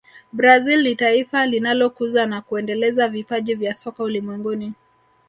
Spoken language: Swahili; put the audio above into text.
brazil ni taifa linalokuza na kuendeleza vipaji vya soka ulimwenguni